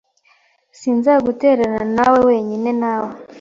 Sinzagutereranawe wenyine nawe .